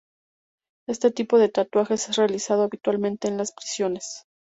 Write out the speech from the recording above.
Este tipo de tatuaje es realizado habitualmente en las prisiones.